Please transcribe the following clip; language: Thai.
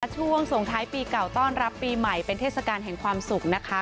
ช่วงส่งท้ายปีเก่าต้อนรับปีใหม่เป็นเทศกาลแห่งความสุขนะคะ